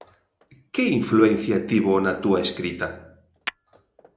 Que influencia tivo na túa escrita?